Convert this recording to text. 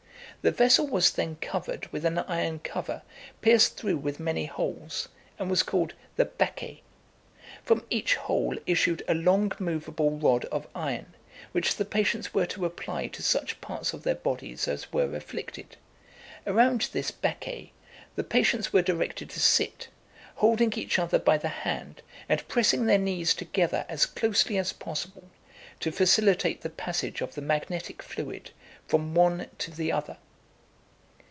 The vessel was then covered with an iron cover, pierced through with many holes, and was called the baquet. From each hole issued a long movable rod of iron, which the patients were to apply to such parts of their bodies as were afflicted. Around this baquet the patients were directed to sit, holding each other by the hand, and pressing their knees together as closely as possible, to facilitate the passage of the magnetic fluid from one to the other.